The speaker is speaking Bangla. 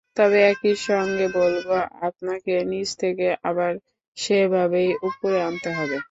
তবে একই সঙ্গে বলব, আপনাকে নিচ থেকে আবার সেভাবেই ওপরে আনতে হবে।